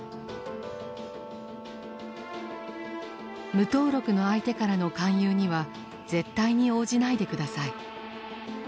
無登録の相手からの勧誘には絶対に応じないでください。